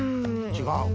ちがう？